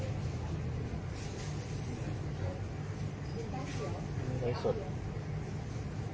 ออกเพื่อแม่นักกับข้าว